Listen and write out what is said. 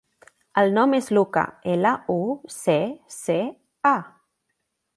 El nom és Lucca: ela, u, ce, ce, a.